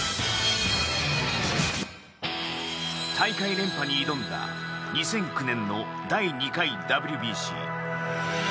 大会連覇に挑んだ２００９年の第２回ＷＢＣ。